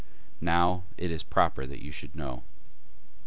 Now it is proper that you should know.